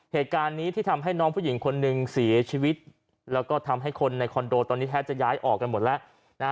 เหตุการณ์นี้ที่ทำให้น้องผู้หญิงคนหนึ่งเสียชีวิตแล้วก็ทำให้คนในคอนโดตอนนี้แทบจะย้ายออกกันหมดแล้วนะฮะ